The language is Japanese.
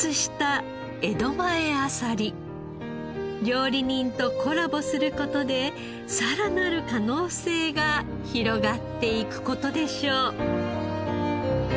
料理人とコラボする事でさらなる可能性が広がっていく事でしょう。